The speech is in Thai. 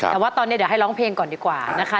แต่ว่าตอนนี้เดี๋ยวให้ร้องเพลงก่อนดีกว่านะคะ